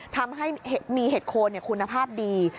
ทำให้มีเห็ดโคนคุณภาพดี